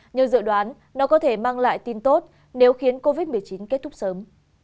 như dự đoán nó có thể mang lại tin tốt nếu khiến covid một mươi chín kết thúc sớm